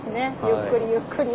ゆっくりゆっくり。